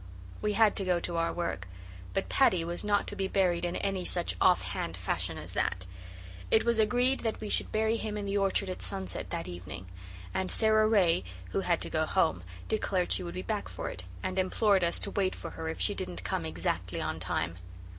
We had to go to our work, but Paddy was not to be buried in any such off hand fashion as that. It was agreed that we should bury him in the orchard at sunset that evening, and Sara Ray, who had to go home, declared she would be back for it, and implored us to wait for her if she didn't come exactly on time.